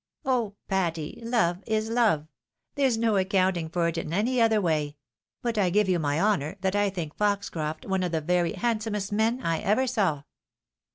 " Oh, Patty !— Love is love ! There's no aocountiug for it in any other way — ^but I give you my honour, that I think Foxcroft one of the very handsomest men I ever saw."